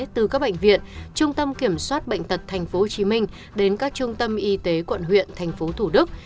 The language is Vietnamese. từ các bệnh viện trung tâm kiểm soát bệnh tật tp hcm đến các trung tâm y tế quận huyện thành phố thủ đức